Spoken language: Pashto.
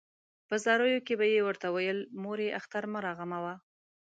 په زاریو کې به یې ورته ویل مورې اختر مه راغموه.